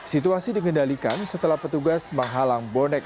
situasi dikendalikan setelah petugas menghalang bonek